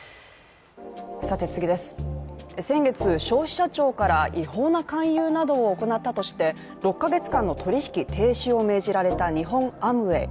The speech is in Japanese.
先月、消費者庁から違法な勧誘などを行ったとして、６か月間の取引停止を命じられた日本アムウェイ。